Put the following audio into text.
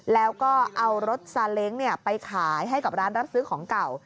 แล้วก็เอารถซาเล้งไปขายให้กับร้านรับซื้อของเก่า